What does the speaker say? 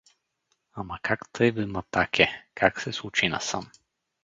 Ама как тъй бе, Матаке, как се случи насам?